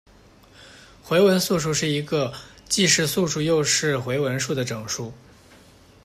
回文素数是一个既是素数又是回文数的整数。